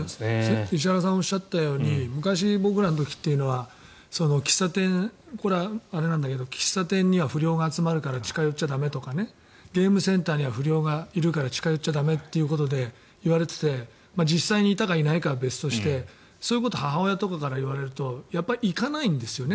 石原さんがおっしゃったように昔、僕らの時というのは喫茶店これはあれなんだけど喫茶店には不良が集まるから近寄っちゃ駄目とかゲームセンターには不良がいるから近寄っちゃ駄目ということで言われていて実際にいたかいないかは別としてそういうことを母親から言われるとやっぱり行かないんですよね。